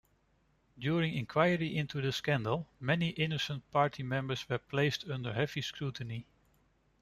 During inquiry into the scandal, many innocent party members were placed under heavy scrutiny.